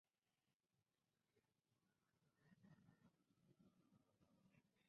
Sólo una tercera parte de este último grupo regresaron a Argentina.